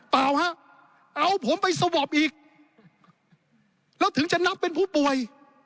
เปล่าฮะเอาผมไปสวอปอีกแล้วถึงจะนับเป็นผู้ป่วย